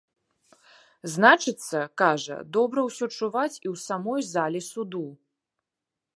Значыцца, кажа, добра ўсё чуваць і ў самой залі суду.